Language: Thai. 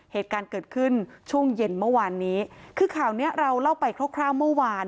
เหตุการณ์เกิดขึ้นช่วงเย็นเมื่อวานนี้คือข่าวเนี้ยเราเล่าไปคร่าวเมื่อวาน